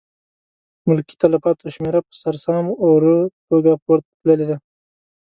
ملکي تلفاتو شمېره په سر سام اوره توګه پورته تللې ده.